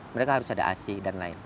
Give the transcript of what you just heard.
mereka harus ada ac dan lain lain